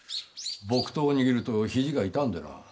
木刀を握るとひじが痛んでな。